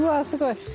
すごい。